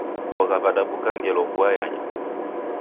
Vogha vadabuka ngelo vua yanya.